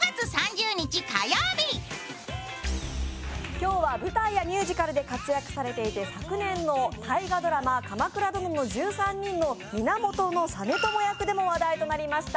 今日は、舞台やミュージカルで活躍されていて、昨年の大河ドラマ「鎌倉殿の１３人」の源実朝役でも話題となりました